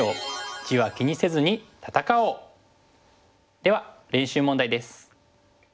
では練習問題です。